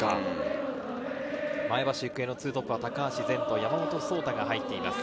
前橋育英の２トップは高足善と山本颯太が入っています。